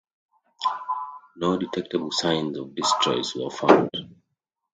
No detectable signs of distress were found.